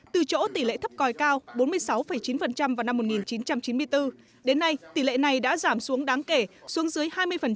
từ chỗ tỷ lệ thấp còi cao bốn mươi sáu chín vào năm một nghìn chín trăm chín mươi bốn đến nay tỷ lệ này đã giảm xuống đáng kể xuống dưới hai mươi